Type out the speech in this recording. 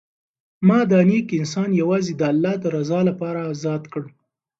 ما دا نېک انسان یوازې د الله د رضا لپاره ازاد کړ.